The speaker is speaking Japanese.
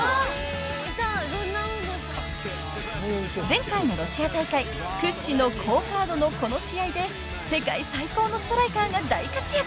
［前回のロシア大会屈指の好カードのこの試合で世界最高のストライカーが大活躍］